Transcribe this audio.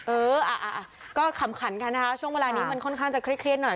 เออก็ขำขันกันนะคะช่วงเวลานี้มันค่อนข้างจะเครียดหน่อย